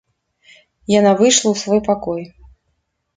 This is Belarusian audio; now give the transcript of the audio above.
Яна выйшла ў свой пакой.